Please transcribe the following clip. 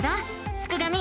すくがミ